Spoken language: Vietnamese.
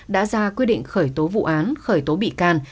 đã ra quyết định khởi tố vụ án khởi tố bị can